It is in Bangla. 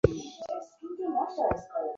হবে না তো?